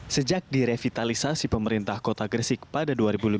sejak direvitalisasi pemerintah kota gresik pada dua ribu lima belas